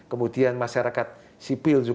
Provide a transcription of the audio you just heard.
kemudian masyarakat sipil